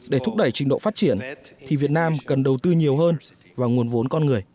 để thúc đẩy trình độ phát triển thì việt nam cần đầu tư nhiều hơn vào nguồn vốn con người